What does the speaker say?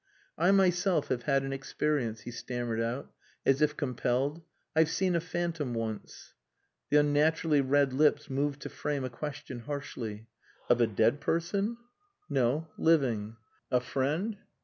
"I myself have had an experience," he stammered out, as if compelled. "I've seen a phantom once." The unnaturally red lips moved to frame a question harshly. "Of a dead person?" "No. Living." "A friend?"